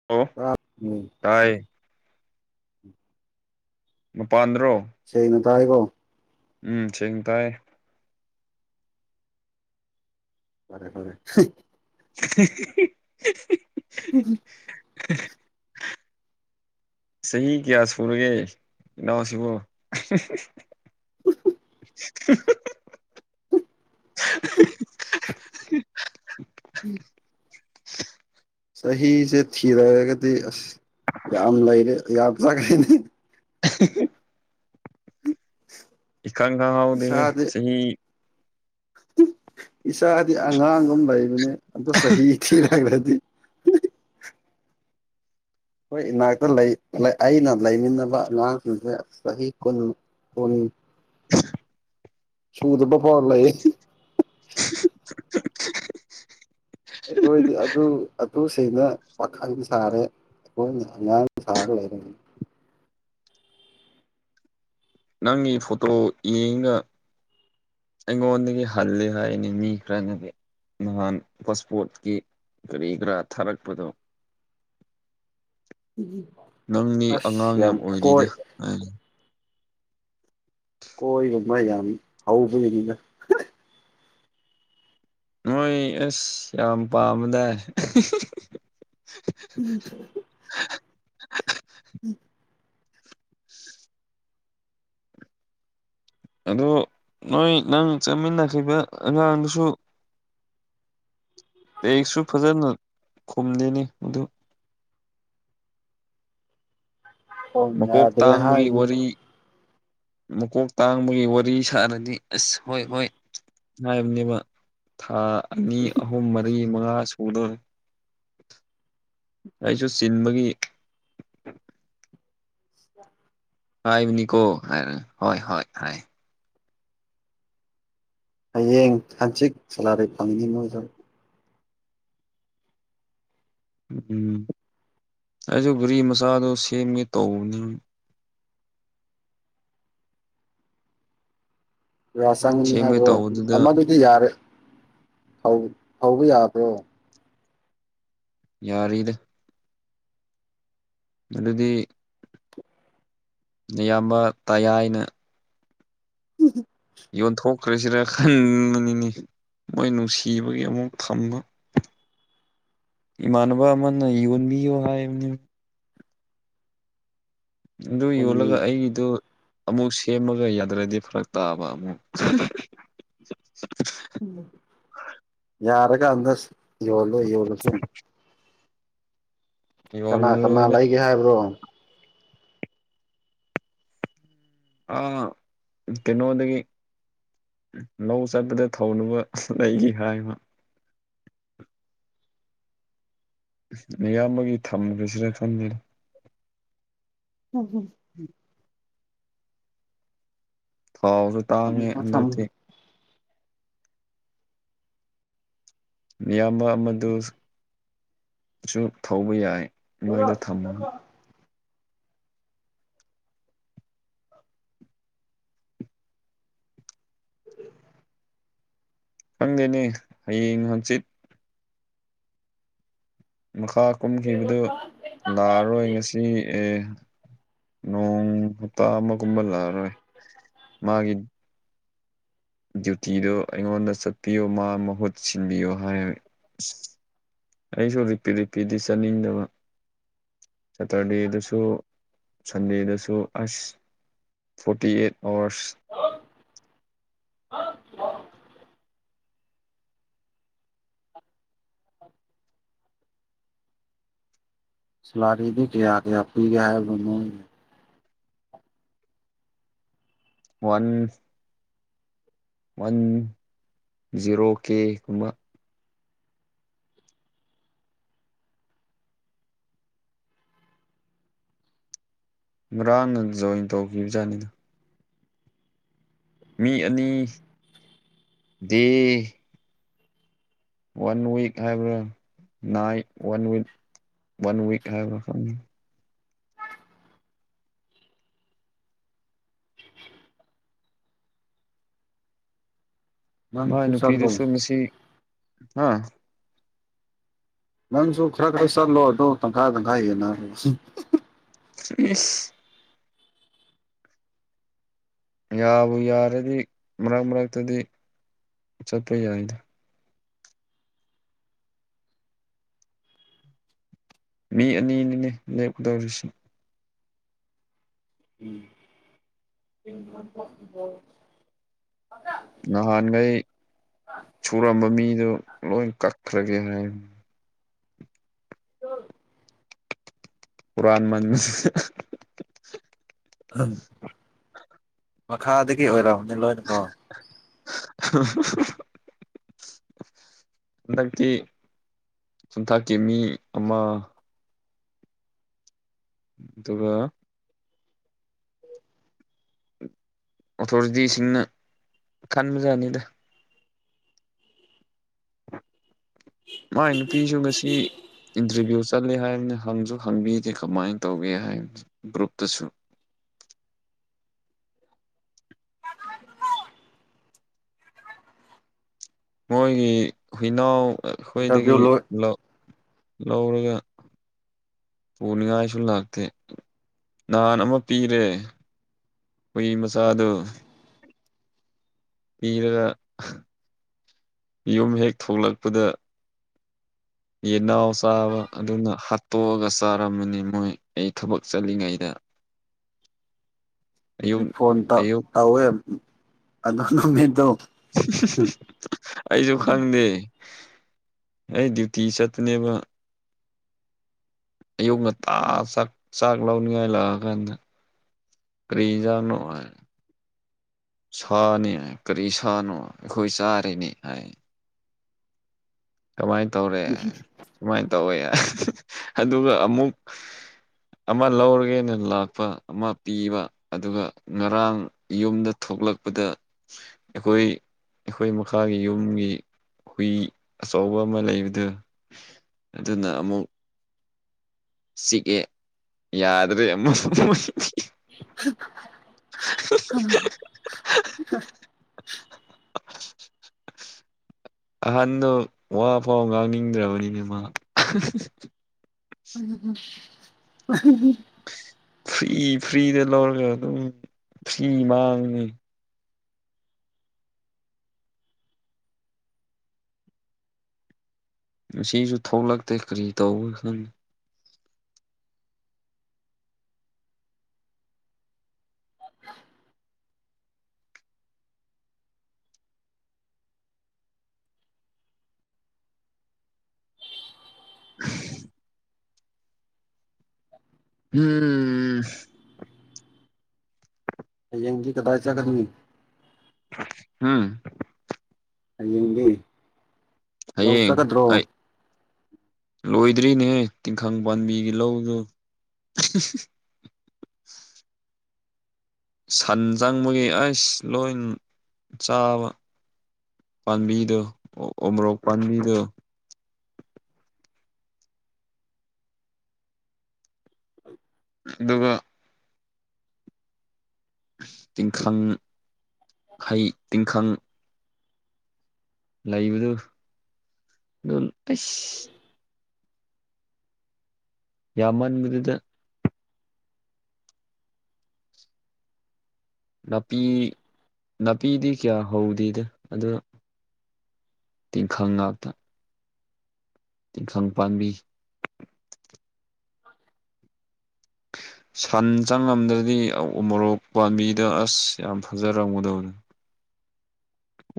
ꯑꯣ꯫ [unintelligible] ꯇꯥꯑꯦ꯫ ꯅꯨꯄꯥꯥꯟꯗ꯭ꯔꯣ꯫ ꯁꯦꯡꯅ ꯇꯥꯏꯀꯣ꯫ ꯎꯝ ꯁꯦꯡꯅ ꯇꯥꯑꯦ꯫ ꯐꯔꯦ-ꯐꯔꯦ [unintelligible] [unintelligible] [unintelligible] ꯆꯍꯤ ꯀꯌꯥ ꯁꯨꯔꯒꯦ ꯏꯅꯥꯎꯁꯤꯕꯨ꯫ [unintelligible] [unintelligible] ꯆꯍꯤꯁꯦ ꯊꯤꯔꯑꯒꯗꯤ ꯑꯁ ꯌꯥꯝ ꯂꯩꯔꯦ ꯌꯥꯝ ꯆꯥꯕ [unintelligible] [unintelligible] [inaudible] ꯏꯈꯪꯪ ꯈꯪꯍꯥꯎꯗꯦꯍꯦ ꯏꯁꯥꯗꯤ ꯆꯍꯤ [unintelligible] ꯏꯁꯥꯗꯤ ꯑꯉꯥꯡꯒꯨꯝ ꯂꯩꯕꯅꯦ ꯑꯝꯇ ꯆꯍꯤ ꯊꯤꯔꯛꯑꯗꯤ ꯈꯣꯏ ꯏꯅꯥꯛꯇ ꯂꯩ ꯂ ꯑꯩꯅ ꯂꯩꯃꯤꯟꯅꯕ ꯑꯉꯥꯡꯁꯤꯡꯁꯦ ꯆꯍꯤ ꯀꯨꯟ ꯀꯨꯟ ꯁꯨꯗ꯭ꯔꯤꯕ ꯐꯥꯏ ꯂꯩꯌꯦ꯫ [unintelligible] ꯑꯩꯈꫭꯏꯗꯤ ꯑꯗꯨ ꯑꯗꯨ ꯁ ꯑꯩꯅ ꯄꯥꯈꯪ ꯁꯥꯔꯦ ꯊꯃꯣꯏꯅ ꯑꯉꯥꯡ ꯁꯔꯒ ꯂꯩꯔꯕꯅꯦ ꯅꯪꯒꯤ ꯐꯣꯇꯣ ꯌꯦꯡꯒꯥ ꯑꯩꯉꯣꯟꯗꯒꯤ ꯍꯜꯂꯦ ꯍꯥꯏꯌꯦꯅꯦ ꯃꯤ ꯈꯔꯅꯗꯤ ꯅꯍꯥꯟ ꯄꯥꯁꯄꯣꯔꯠꯀꯤ ꯀꯔꯤ ꯀꯔꯥ ꯊꯥꯔꯛꯄꯗꯣ [unintelligible] ꯅꯪꯗꯤ ꯑꯁ ꯑꯉꯥꯡ ꯌꯥꯝ ꯑꯣꯏꯔꯤꯗ ꯀꯣꯏ [unintelligible] ꯀꯣꯏ ꯒꯨꯝꯕ ꯌꯥꯝ ꯍꯧꯕꯒꯤꯅꯤꯅ ꯅꯣꯏ ꯑꯁ ꯌꯥꯝ ꯄꯥꯝꯕꯗꯥꯏ [unintelligible] [unintelligible] [unintelligible] [unintelligible] [inaudible] ꯑꯗꯣ ꯅꯣꯏ ꯅꯪ ꯆꯠꯃꯤꯟꯅꯈꯤꯕ ꯑꯉꯥꯡꯗꯨꯁꯨ ꯇꯦꯛꯁꯨ ꯐꯖꯟꯅ ꯈꯨꯝꯗꯦꯅꯤ ꯃꯗꯨ ꯐꯣꯟ ꯃꯀꯣꯛ ꯌꯥꯗ꯭ꯔꯦ ꯇꯥꯡꯕꯒꯤ ꯍꯥꯏꯅꯤ ꯋꯥꯔꯤ ꯃꯥ ꯃꯀꯣꯛ ꯇꯥꯡꯕꯒꯤ ꯋꯥꯔꯤ ꯁꯥꯔꯅꯤ ꯑꯁ ꯍꯣꯏ ꯍꯣꯏ ꯃ꯭ꯍꯥꯏꯕꯅꯦꯕ ꯊꯥ ꯑꯅꯤ, ꯑꯍꯨꯝ, ꯃꯔꯤ, ꯃꯉꯥ ꯁꯨꯗꯣꯔꯦ ꯑꯩꯁꯨ ꯆꯤꯟꯕꯒꯤ [inaudible] ꯍꯥꯏꯕꯅꯤꯀꯣ ꯍꯥꯏꯔ ꯍꯣꯏ ꯍꯣꯏ ꯍꯥꯏ ꯍꯥꯌꯦꯡ ꯍꯟꯆꯤꯛ ꯁꯦꯂꯥꯔꯤ ꯐꯪꯒꯅꯤ ꯅꯣꯏꯁꯨ꯫ ꯎꯨ ꯎꯝ ꯑꯩꯁꯨ ꯒꯨꯔꯤ ꯃꯆꯥꯗꯣ ꯁꯦꯝꯒꯦ ꯇꯧꯕꯅꯦꯕ ꯀꯌꯥ ꯆꯪꯉꯅꯤ ꯁꯦꯝꯒꯦ ꯍꯥꯏꯕ꯭ꯔꯣ ꯇꯧꯕꯗꯨꯗ ꯑꯃꯗꯨꯗꯤ ꯌꯥꯔꯦ ꯍꯧ ꯍꯧꯕ ꯌꯥꯕ꯭ꯔꯣ? ꯌꯥꯔꯤꯗ ꯅꯗꯨꯗꯤ ꯅꯌꯥꯝꯕ ꯇꯥꯌꯥꯥꯏꯅ [unintelligible] ꯌꯣꯟꯊꯣꯛꯈ꯭ꯔꯁꯤꯔ ꯈꯟꯕꯅꯤꯅꯦ ꯃꯣꯏ ꯅꯨꯡꯁꯤꯕꯒꯤ ꯑꯃꯨꯛ ꯊꯝꯕ ꯏꯃꯥꯟꯅꯕ ꯑꯃꯅ ꯌꯣꯟꯕꯤꯌꯣ ꯍꯥꯏꯕꯅꯦꯕ ꯑꯗꯨ ꯌꯣꯜꯂꯒ ꯍꯨꯟꯒꯤ ꯑꯩꯒꯤꯗꯣ ꯑꯃꯨꯛ ꯁꯦꯝꯃꯒ ꯌꯥꯗꯔꯗꯤ ꯐꯔꯛ ꯇꯥꯕ ꯑꯃꯨꯛ [unintelligible] [unintelligible] ꯌꯥꯔ ꯀꯟꯗꯥ [unintelligible] ꯌꯣꯜꯂꯣ ꯌꯣꯜꯂꯁꯨꯡ ꯀꯅꯥ ꯀꯅꯥ ꯌꯣꯜꯂꯔꯣꯏꯗ ꯂꯩꯒꯦ ꯍꯥꯏꯕ꯭ꯔꯣꯡ? ꯑꯥ ꯀꯩꯅꯣꯗꯒꯤ ꯂꯧ ꯆꯠꯄꯗ ꯊꯧꯅꯕ [unintelligible] ꯂꯩꯒꯦ ꯍꯥꯏꯕ ꯅꯌꯥꯝꯕꯒꯤ ꯊꯝꯈ꯭ꯔꯁꯤꯔ ꯈꯪꯗꯦꯅꯦ [unintelligible] ꯎꯝ ꯊꯥꯎꯁꯨ ꯍꯝ ꯇꯥꯡꯉꯦ ꯊꯝꯈ꯭ꯔꯣ ꯍꯟꯗꯛꯇꯤ ꯊꯝꯈ꯭ꯔꯣ ꯅꯌꯥꯝꯕ ꯑꯃꯗꯨꯁ ꯁꯨ ꯊꯧꯕ ꯌꯥꯏ ꯃꯣꯏꯗ ꯊꯝꯃꯒ ꯈꯪꯗꯦꯅꯦ ꯍꯥꯌꯦꯡ ꯍꯪꯆꯤꯠ ꯃꯈꯥ ꯀꯨꯝꯈꯤꯕꯗꯨ ꯂꯥꯛꯑꯔꯣꯏ ꯉꯁꯤ ꯑꯦ ꯅꯣꯡ ꯍꯞꯇꯥ ꯑꯃꯒꯨꯝꯕ ꯂꯥꯛꯑꯔꯣꯏ ꯃꯥꯒꯤ ꯗ꯭ꯌꯨꯇꯤꯗꯣ ꯑꯩꯉꯣꯟꯗ ꯆꯠꯄꯤꯌꯣ ꯃꯥ ꯃꯍꯨꯠ ꯁꯤꯟꯕꯤꯌꯣ ꯍꯥꯏ [unintelligible] ꯑꯩꯁꯨ ꯔꯤꯄꯤꯠ ꯔꯤꯄꯤꯠꯗꯤ ꯆꯠꯅꯤꯡꯗꯕ ꯁꯦꯇꯔꯗꯦꯗꯁꯨ ꯁꯟꯗꯦꯗꯁꯨ ꯑꯁ ꯐꯣꯔꯇꯤ ꯑꯩꯠ ꯑꯥꯋꯥꯔꯁ ꯍꯂꯣ ꯑ ꯍ [unintelligible] [inaudible] ꯁꯂꯥꯔꯤꯗꯤ ꯀꯌꯥ ꯀꯌꯥ ꯄꯤꯒꯦ ꯍꯥꯏꯕꯅꯣ ꯃꯣꯏꯒꯤ ꯋꯥꯟ ꯋꯥꯟ ꯖꯤꯔꯣ ꯀꯦ ꯒꯨꯝꯕ ꯉꯔꯥꯡꯅ ꯖꯣꯏꯟ ꯇꯧꯈꯤꯕꯖꯥꯠꯅꯤꯗ ꯃꯤ ꯑꯅꯤ ꯗꯤ ꯋꯥꯟꯋꯤꯛ ꯍꯥꯏꯕ꯭ꯔꯥ ꯅꯥꯏꯠ ꯋꯥꯟꯋꯥ ꯋꯥꯟꯋꯤꯛ ꯍꯥꯏꯕ꯭ꯔꯥ ꯈꯪꯗꯦ [inaudible] ꯃꯥꯏ ꯅꯪꯁꯨ ꯆꯠꯂꯣ ꯅꯨꯄꯤꯗꯨꯁꯨ ꯃꯁꯤ ꯍꯥ ꯅꯪꯁꯨ ꯈꯔ ꯈꯔ ꯆꯠꯂꯣ ꯑꯗꯨꯒ ꯇꯪꯈꯥꯏ ꯇꯪꯈꯥꯏ ꯌꯦꯅꯔꯣ ꯏꯁ ꯌꯥꯕꯨ ꯌꯥꯔꯗꯤ ꯃꯔꯛ ꯃꯔꯛꯇꯗꯤ ꯆꯠꯄ ꯌꯥꯏꯗ ꯃꯤ ꯑꯅꯤꯅꯤꯅꯦ ꯂꯦꯞꯀꯗꯧꯔꯤꯁꯤ ꯎꯝ ꯅꯍꯥꯟꯒꯩ ꯁꯨꯔꯝꯕ ꯃꯤꯗꯨꯣ ꯂꯣꯏ ꯀꯛꯈ꯭ꯔꯒꯦ ꯍꯥꯏ [unintelligible] ꯍꯨꯔꯥꯟꯃꯟ ꯎꯝ ꯃꯈꯥꯗꯒꯤ ꯑꯣꯏꯔꯛꯑꯕꯅꯤ ꯂꯣꯏꯅꯀꯣ [unintelligible] ꯍꯟꯗꯛꯀꯤ ꯌꯨꯝꯊꯥꯛꯀꯤ ꯃꯤ ꯑꯃ ꯑꯗꯨꯒ ꯑꯣꯊꯣꯔꯤꯇꯤꯁꯤꯡꯅ ꯈꯟꯕꯖꯟꯅꯤꯗ ꯃꯥꯏ ꯅꯨꯄꯤꯁꯨ ꯉꯁꯤ ꯏꯟꯇ꯭ꯔꯚꯤꯌꯨ ꯆꯠꯂꯦ ꯍꯥꯏꯕꯅꯤ ꯍꯪꯁꯨ ꯍꯪꯕꯤꯗꯦ ꯀꯃꯥꯏꯅ ꯇꯧꯒꯦ ꯍꯥꯏꯕ ꯒ꯭ꯔꯨꯞꯇꯁꯨ [unintelligible] ꯃꯣꯏꯒꯤ ꯍꯨꯏꯅꯥꯎ ꯏꯟꯇꯔꯚꯤꯌꯨ ꯑꯩꯈꯣꯏꯗꯒꯤ ꯂꯣꯏ ꯂꯧ ꯂꯧꯔꯒ ꯄꯨꯅꯤꯡꯉꯥꯏꯁꯨ ꯂꯥꯛꯇꯦ ꯅꯍꯥꯟ ꯑꯃ ꯄꯤꯔꯦ ꯍꯨꯏ ꯃꯆꯥꯗꯨ ꯄꯤꯔꯒ ꯌꯨꯝ ꯍꯦꯛ ꯊꯣꯛꯂꯛꯄꯗ ꯌꯦꯟꯅꯥꯎ ꯆꯥꯕ ꯑꯗꯨꯅ ꯍꯥꯠꯇꯣꯛꯑꯒ ꯆꯥꯔꯝꯝꯕꯅꯤ ꯃꯣꯏ ꯑꯩ ꯊꯕꯛ ꯆꯠꯂꯤꯉꯩꯗ [inaudible] ꯑꯩ ꯐꯣꯟ ꯇꯧ ꯑꯌꯨꯛ ꯇꯧꯋꯦ ꯑꯗꯣ ꯅꯨꯃꯤꯠꯇꯣ ꯑꯩꯖꯨ ꯈꯪꯗꯦ ꯑꯩ ꯗ꯭ꯌꯨꯇꯤ ꯆꯠꯄꯅꯦꯕ ꯑꯌꯨꯛ ꯉꯟꯇꯥ ꯆꯥꯛ ꯆꯥꯛ ꯂꯧꯅꯤꯡꯉꯥꯏ ꯂꯥꯛꯑꯀꯥꯟꯗ ꯀ꯭ꯔꯤ ꯍꯤꯟꯖꯥꯡꯅꯣ ꯍꯥꯏꯅ ꯁꯥꯅꯦ ꯀꯔꯤ ꯁꯥꯅꯣ ꯑꯩꯈꯣꯏ ꯆꯥꯔꯤꯅꯤ ꯍꯥꯏ ꯀꯃꯥꯏ ꯇꯧꯔꯦ ꯁꯨꯃꯥꯏꯅ ꯇꯧꯋꯦ ꯑꯗꯨꯒ ꯑꯃꯨꯛ ꯑꯃ ꯂꯧꯔꯒꯦꯅ ꯂꯥꯛꯄ ꯑꯃ ꯄꯤꯕ ꯑꯗꯨꯒ ꯉꯔꯥꯡ ꯌꯨꯝꯗ ꯊꯣꯛꯂꯛꯄꯗ ꯑꯩꯈꯣꯏ ꯑꯩꯈꯣꯏ ꯃꯈꯥꯒꯤ ꯌꯨꯝꯒꯤ ꯍꯨꯏ ꯑꯆꯧꯕ ꯑꯃ ꯂꯩꯕꯗꯨ ꯑꯗꯨꯅ ꯑꯃꯨꯛ ꯆꯤꯛꯑꯦ ꯌꯥꯗ꯭ꯔꯦ ꯑꯃꯁꯨ [unintelligible] [unintelligible] [unintelligible] [unintelligible] ꯑꯍꯟꯗꯣ ꯋꯥꯐꯥꯎ ꯉꯥꯡꯅꯤꯡꯗ꯭ꯔꯕꯅꯤꯅꯦ ꯃꯥ ꯎꯝ ꯎꯝ ꯐ꯭ꯔꯤ ꯐ꯭ꯔꯤꯗ ꯂꯧꯔꯒ ꯑꯗꯨꯝ ꯐ꯭ꯔꯤ ꯃꯥꯡꯉꯤ ꯉꯁꯤꯁꯨ ꯊꯣꯛꯂꯛꯇꯦ ꯀꯔꯤ ꯇꯧꯕ꯭ꯔꯥ ꯈꯪ [unintelligible] ꯎꯝ ꯎꯝ ꯍꯌꯦꯡꯗꯤ ꯀꯗꯥꯏ ꯆꯠꯀꯅꯤ ꯎꯝ ꯍꯌꯦꯡꯗꯤ ꯂꯧ ꯍꯌꯦꯡ ꯆꯠꯀꯗ꯭ꯔꯣ ꯑꯩ ꯂꯣꯏꯗ꯭ꯔꯤꯅꯦꯍꯦ ꯇꯤꯡꯈꯪ ꯄꯥꯟꯕꯤꯒꯤ ꯂꯧꯗꯣ ꯁꯟ ꯆꯪꯕꯒꯤ ꯑꯁ ꯂꯣꯏꯟ ꯆꯥꯕ ꯄꯥꯟꯕꯤꯗꯣ ꯑꯣꯃꯣꯔꯣꯛ ꯄꯥꯟꯕꯤꯗꯣ ꯑꯧ ꯑꯗꯨꯒ ꯇꯤꯡꯈꯪ ꯍꯩ ꯇꯤꯡꯈꯪ ꯂꯩꯕꯗꯣ ꯑꯗꯣ ꯑꯩꯁ [unintelligible] ꯌꯥꯝꯃꯟꯕꯗꯨꯗ ꯅꯥꯄꯤ ꯅꯥꯄꯤꯗꯤ ꯀꯌꯥ ꯍꯧꯗꯦꯗ ꯑꯗꯣ ꯇꯤꯡꯈꯪ ꯉꯥꯛꯇ ꯇꯤꯡꯈꯪ ꯄꯥꯟꯕꯤ [unintelligible] ꯁꯟ ꯆꯪꯉꯝꯗ꯭ꯔꯗꯤ ꯎꯃꯣꯔꯣꯛ ꯄꯥꯝꯕꯤꯗꯣ ꯑꯁ ꯌꯥꯝ ꯐꯖꯔꯝꯒꯗꯕꯅꯦ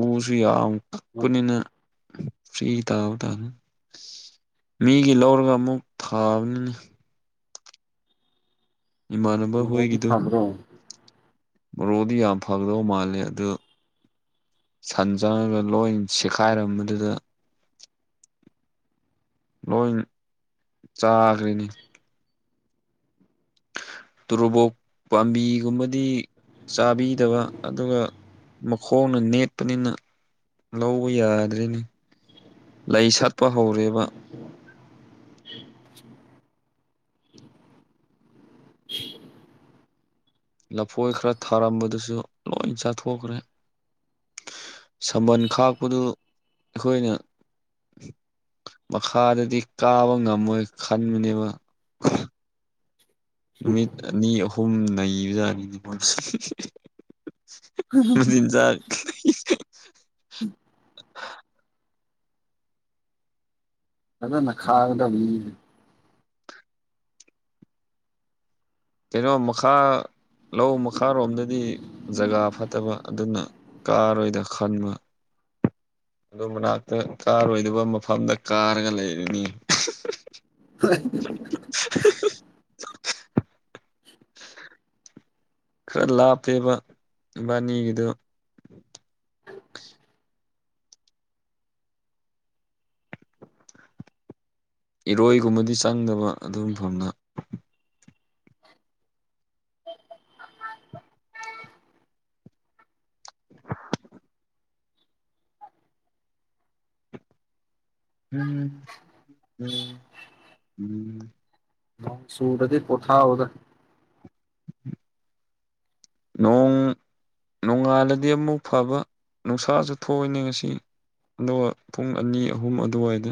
ꯎꯁꯨ ꯌꯥꯝ ꯀꯛꯄꯅꯤꯅ ꯐ꯭ꯔꯤ ꯇꯥꯕ ꯇꯥꯅꯦ ꯃꯤꯒꯤ ꯂꯧꯔꯒ ꯑꯃꯨꯛ ꯊꯥꯕꯅꯤꯅꯦ ꯏꯃꯥꯟꯅꯕ ꯃꯣꯔꯣꯛꯇꯤ ꯍꯣꯏꯒꯤꯗꯣ ꯐꯕ꯭ꯔꯣ ꯃꯣꯔꯣꯛꯗꯤ ꯌꯥꯝ ꯐꯒꯗꯧ ꯃꯥꯜꯂꯦ ꯑꯗꯣ ꯁꯟ ꯆꯪꯉꯒ ꯂꯣꯏꯅ ꯁꯦꯠꯈꯥꯏꯔꯝꯕꯗꯨꯗ ꯂꯣꯏ ꯆꯥꯈ꯭꯭ꯔꯦꯅꯦ ꯇꯨꯔꯨꯕꯣꯛ ꯄꯥꯝꯕꯤꯒꯨꯝꯕꯗꯤ ꯆꯥꯕꯤꯗꯕ ꯑꯗꯨꯒ ꯃꯈꯣꯡꯅ ꯅꯦꯠꯄꯅꯤꯅ ꯂꯧꯕ ꯌꯥꯗ꯭ꯔꯦꯅꯦ ꯂꯩ ꯁꯥꯠꯄ ꯍꯧꯔꯦꯕ ꯂꯐꯣꯏ ꯈꯔ ꯊꯥꯔꯝꯕꯗꯨꯁꯨ ꯂꯣꯏ ꯆꯥꯊꯣꯛꯈ꯭ꯔꯦ ꯁꯝꯕꯜ ꯈꯥꯛꯄꯗꯨ ꯑꯩꯈꯣꯏꯅ ꯃꯈꯥꯗꯗꯤ ꯀꯥꯕ ꯉꯝꯃꯣꯏ ꯈꯟꯕꯅꯦꯕ ꯅꯨꯃꯤꯠ ꯑꯅꯤ ꯑꯍꯨꯝ ꯅꯩꯕꯖꯥꯠꯅꯤꯅꯦ ꯃꯣꯏ [unintelligible] ꯃꯆꯤꯟꯖꯥꯛ ꯐꯖꯅ ꯈꯥꯒꯗꯝꯅꯤꯅꯦ ꯀꯩꯅꯣ ꯃꯈꯥ ꯂꯧ ꯃꯈꯥꯔꯣꯝꯗꯗꯤ ꯖꯒꯥ ꯐꯠꯇꯕ ꯑꯗꯨꯅ ꯀꯥꯔꯣꯏꯗ ꯈꯟꯕ ꯑꯗꯣ ꯃꯅꯥꯛꯇ ꯀꯥꯔꯣꯏꯗꯕ ꯃꯐꯝꯗ ꯀꯥꯔꯒ ꯂꯩꯔꯅꯤ ꯍꯣꯏ [unintelligible] ꯈꯔ ꯂꯥꯞꯄꯦꯕ ꯏꯕꯥꯟꯅꯤꯒꯤꯗꯨ ꯏꯔꯣꯏꯒꯨꯝꯕꯗꯤ ꯆꯪꯗꯕ ꯑꯗꯨꯨ ꯃꯐꯝꯅ [unintelligible] ꯎꯝꯝ ꯎꯝ ꯎꯝ ꯅꯣꯡ ꯆꯨꯔꯗꯤ ꯄꯣꯊꯥꯎꯗ ꯅꯣꯡ ꯅꯣꯡꯉꯥꯜꯂꯗꯤ ꯑꯃꯨꯛ ꯐꯕ ꯅꯨꯡꯁꯥꯁꯨ ꯊꯣꯛꯏꯅꯦ ꯉꯁꯤ ꯑꯗꯨꯒ ꯄꯨꯡ ꯑꯅꯤ ꯑꯍꯨꯝ ꯑꯗꯨꯋꯥꯏꯗ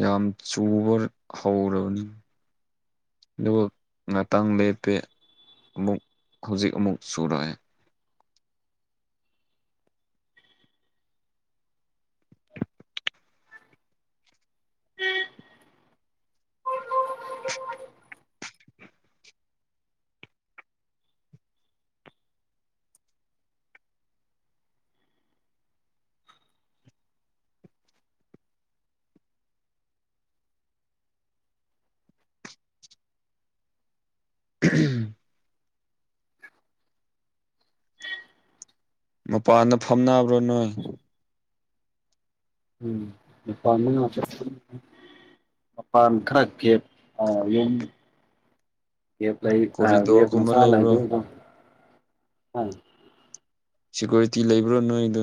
ꯌꯥꯝ ꯆꯨꯕ ꯍꯧꯔꯕꯅꯦ ꯑꯗꯨꯒ ꯉꯥꯛꯇꯪ ꯂꯦꯞꯄꯦ ꯑꯃꯨꯛ ꯍꯨꯖꯤꯛ ꯑꯃꯨꯛ ꯆꯨꯔꯛꯑꯦ [unintelligible] ꯃꯄꯥꯟꯗ ꯐꯝꯅꯕ꯭ꯔꯣ ꯅꯣꯏ ꯎꯝ [inaudible] ꯃꯄꯥꯟ ꯈꯔ ꯀꯦꯞ ꯑꯥ [inaudible] ꯀꯣꯔꯤꯗꯣꯔꯒꯨꯝꯕ ꯂꯩꯕ꯭ꯔꯣ [inaudible] ꯁꯤꯀ꯭ꯌꯨꯔꯤꯇꯤ ꯂꯩꯕ꯭ꯔꯣ ꯅꯣꯏꯗꯣ